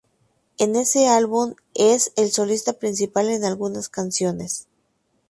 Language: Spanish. En ese álbum es el solista principal en algunas canciones.